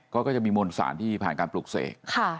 ก็จะมีมวลสารที่ผ่านการปลูกเสก